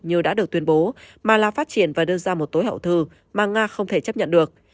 như đã được tuyên bố mà là phát triển và đưa ra một tối hậu thư mà nga không thể chấp nhận được